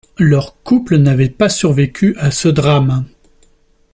Leur couple n’avait pas survécu à ce drame.